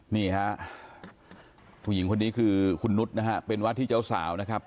นี่ฮะผู้หญิงคนนี้คือคุณนุษย์นะฮะเป็นวาดที่เจ้าสาวนะครับ